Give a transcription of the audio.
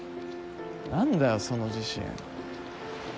何だよその自信。